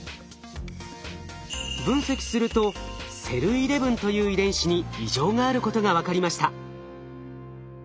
分析すると「ｓｅｌー１１」という遺伝子に異常があることが分かりました。